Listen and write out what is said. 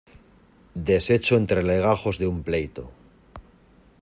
deshecho entre legajos de un pleito.